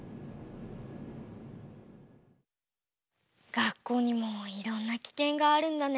学校にもいろんなきけんがあるんだね。